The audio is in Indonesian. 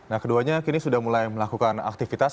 nah keduanya kini sudah mulai melakukan aktivitas